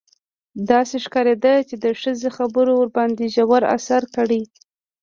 داسې ښکارېده چې د ښځې خبرو ورباندې ژور اثر کړی.